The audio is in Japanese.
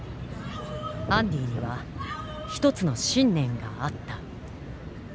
アンディには一つの信念があった。